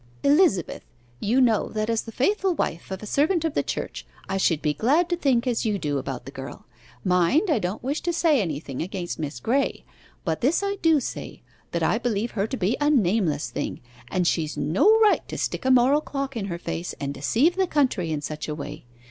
'Elizabeth, you know that as the faithful wife of a servant of the Church, I should be glad to think as you do about the girl. Mind I don't wish to say anything against Miss Graye, but this I do say, that I believe her to be a nameless thing, and she's no right to stick a moral clock in her face, and deceive the country in such a way.